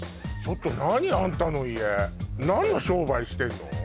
ちょっと何あんたの家何の商売してんの？